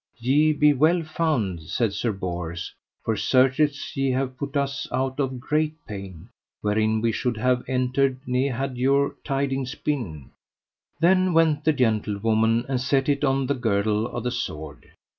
Ye be well found, said Sir Bors, for certes ye have put us out of great pain, wherein we should have entered ne had your tidings been. Then went the gentlewoman and set it on the girdle of the sword.